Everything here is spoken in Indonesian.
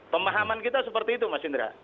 pemahaman kita seperti itu mas indra